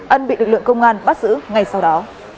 ân bị lực lượng công an bắt giữ ngay sau đó